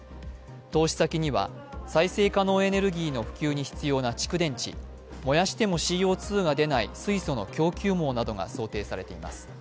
投資先には再生可能エネルギーの普及に必要な蓄電池、燃やしてもＣＯ２が出ない水素の供給網などが想定されています。